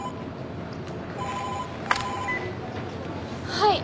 はい。